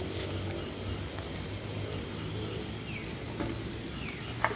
โดยรอบที่กลับมาอีกครั้ง